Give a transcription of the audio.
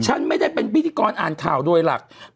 ฉันไม่ได้เป็นพิธีกรอ่านข่าวโดยหลัก